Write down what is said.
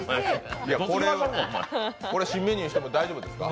これは新メニューしても大丈夫ですか？